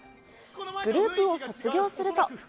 グループを卒業すると。